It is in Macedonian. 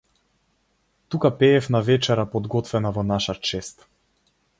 Тука пеев на вечера подготвена во наша чест.